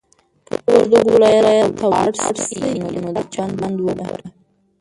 که د وردګو ولایت ته لاړ شې نو د چک بند وګوره.